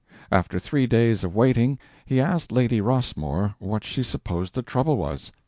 After three days of waiting, he asked Lady Rossmore what she supposed the trouble was.